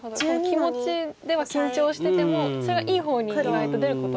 気持ちでは緊張しててもそれがいい方に意外と出ることも。